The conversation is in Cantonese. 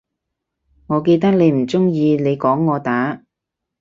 我記得你唔鍾意你講我打